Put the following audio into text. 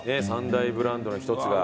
３大ブランドの１つが。